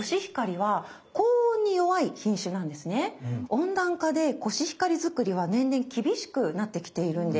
温暖化でコシヒカリ作りは年々厳しくなってきているんです。